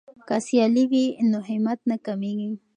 که سیالي وي نو همت نه کمیږي.